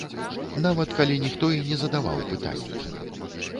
Нават калі ніхто і не задаваў пытання.